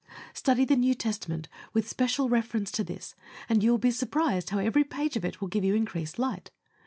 Study the New Testament with special reference to this, and you will be surprised how every page of it will give you increased light.